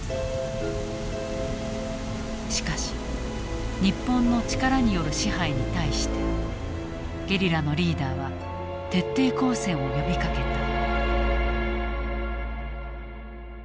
しかし日本の力による支配に対してゲリラのリーダーは徹底抗戦を呼びかけた。